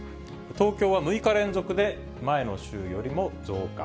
東京は６日連続で前の週よりも増加。